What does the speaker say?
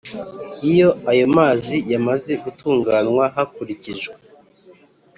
iyo ayo mazi yamaze gutunganywa hakurikijwe